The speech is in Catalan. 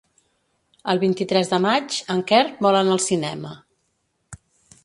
El vint-i-tres de maig en Quer vol anar al cinema.